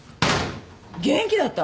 元気だった？